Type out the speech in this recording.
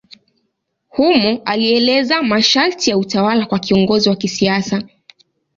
Humo alieleza masharti ya utawala kwa kiongozi wa kisiasa.